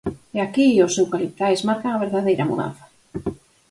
E aquí, os eucaliptais marcan a verdadeira mudanza.